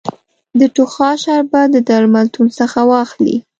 د ټوخا شربت د درملتون څخه واخلی